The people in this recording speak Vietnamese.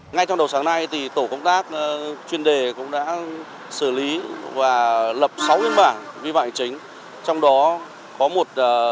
ngay trong đầu sáng nay tổ công tác chuyên đề cũng đã xử lý và lập sáu biên bản vi phạm hành chính trong đó có một trường hợp là sử dụng ma túy